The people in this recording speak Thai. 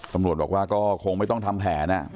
ตำรวจบอกว่าก็คงไม่ต้องทำแผน